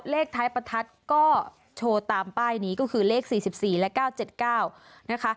เลขท้ายประทัดก็โชว์ตามป้ายนี้ก็คือเลขสี่สิบสี่และเก้าเจ็ดเก้านะคะ